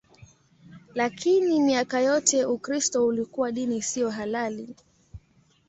Lakini miaka yote Ukristo ulikuwa dini isiyo halali.